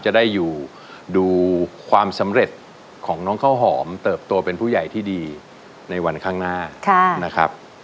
จะได้อยู่ดูความสำเร็จของน้องข้าวหอมเติบโตเป็นผู้ใหญ่ที่ดีในวันข้างหน้านะครับ